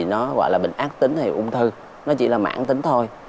nó gọi là bệnh ác tính hay là bệnh ung thư nó chỉ là mảng tính thôi